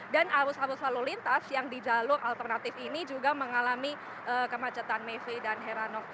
dan arus arus lalu lintas yang di jalur alternatif ini juga mengalami kemacetan mevi dan heranov